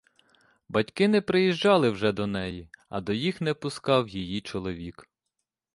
Батьки не приїжджали вже до неї, а до їх не пускав її чоловік.